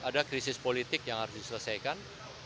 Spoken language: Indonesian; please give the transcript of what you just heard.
ada krisis politik yang harus diselesaikan